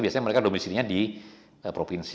biasanya mereka domisilinya di